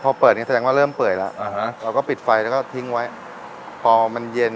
พอเปิดนี่แสดงว่าเริ่มเปื่อยแล้วเราก็ปิดไฟแล้วก็ทิ้งไว้พอมันเย็น